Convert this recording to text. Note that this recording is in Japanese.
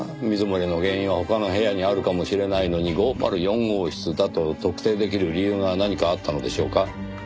水漏れの原因は他の部屋にあるかもしれないのに５０４号室だと特定できる理由が何かあったのでしょうか？